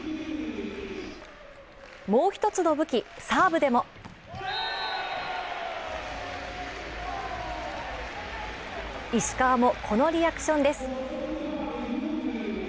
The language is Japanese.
もう一つの武器サーブでも石川も、このリアクションです。